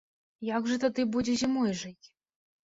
Як жа тады будзе зімой жыць?